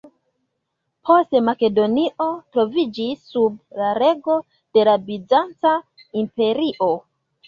Poste, Makedonio troviĝis sub la rego de la Bizanca imperio.